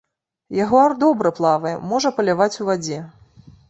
Ягуар добра плавае, можа паляваць у вадзе.